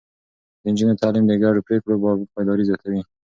د نجونو تعليم د ګډو پرېکړو پايداري زياتوي.